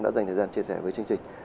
đã dành thời gian chia sẻ với chương trình